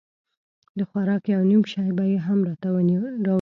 د خوراک يو نيم شى به يې هم راته رانيوه.